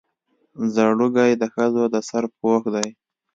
ځړوکی د ښځو د سر پوښ دی